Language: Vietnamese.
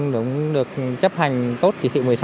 cũng được chấp hành tốt chỉ thị một mươi sáu